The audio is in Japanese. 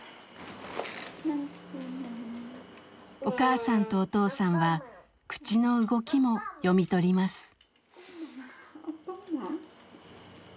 お母さんとお父さんは口の動きも読み取ります。